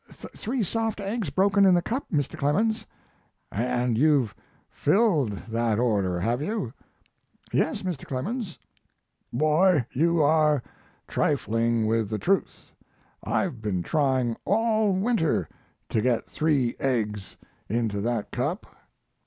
"Three soft eggs broken in the cup, Mr. Clemens." "And you've filled that order, have you?" "Yes, Mr. Clemens." "Boy, you are trifling with the truth; I've been trying all winter to get three eggs into that cup."